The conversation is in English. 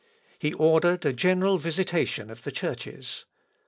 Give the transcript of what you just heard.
He ordered a general visitation of the churches.